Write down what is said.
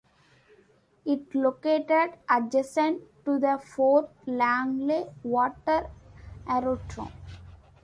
It located adjacent to the Fort Langley Water Aerodrome.